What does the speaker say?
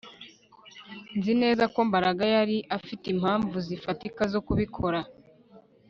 Nzi neza ko Mbaraga yari afite impamvu zifatika zo kubikora